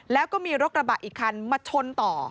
แล้วก็มีรถกระบะอีกคันมาชนต่อ